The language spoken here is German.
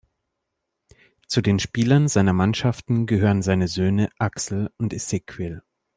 Zu den Spielern seiner Mannschaften gehören seine Söhne Axel und Ezequiel.